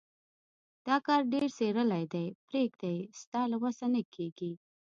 دا کار ډېر څيرلی دی. پرېږده يې؛ ستا له وسه نه کېږي.